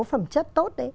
phẩm chất tốt